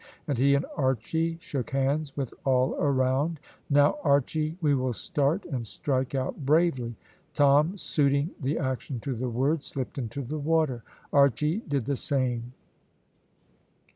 And he and Archy shook hands with all round. "Now, Archy, we will start, and strike out bravely." Tom suiting the action to the word slipped into the water, Archy did the same.